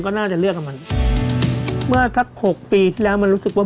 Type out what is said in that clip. แปลว่ามาเป็นข้าวค้า